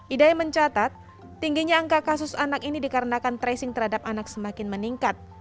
idai mencatat tingginya angka kasus anak ini dikarenakan tracing terhadap anak semakin meningkat